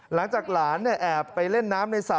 หลังจากหลานแอบไปเล่นน้ำในสระ